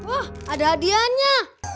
oh ada hadiahnya